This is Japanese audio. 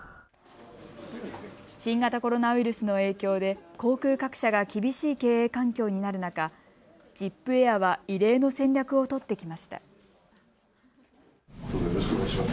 新型コロナウイルスの影響で航空各社が厳しい経営環境になる中、ジップエアは異例の戦略を取ってきました。